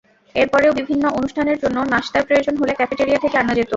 এরপরও বিভিন্ন অনুষ্ঠানের জন্য নাশতার প্রয়োজন হলে ক্যাফেটেরিয়া থেকে আনা যেত।